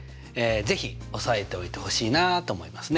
是非押さえておいてほしいなと思いますね。